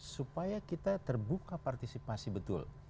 supaya kita terbuka partisipasi betul